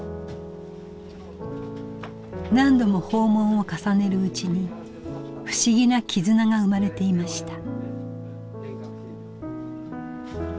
何度も訪問を重ねるうちに不思議な絆が生まれていました。